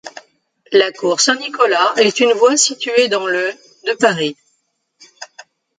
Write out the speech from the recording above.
La cour Saint-Nicolas est une voie située dans le de Paris.